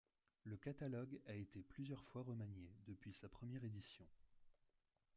Le catalogue a été plusieurs fois remanié depuis sa première édition.